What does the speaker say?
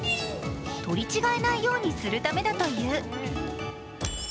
取り違えないようにするためだという。